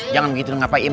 jangan begitu ngapain im